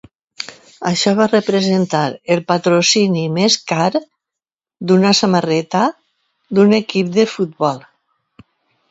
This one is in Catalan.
Això va representar el patrocini més car d'una samarreta d'un equip de futbol.